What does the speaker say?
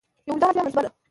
یو اوږده هجویه منسوبه ده.